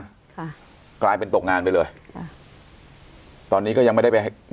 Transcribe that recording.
ค่ะกลายเป็นตกงานไปเลยค่ะตอนนี้ก็ยังไม่ได้ไปให้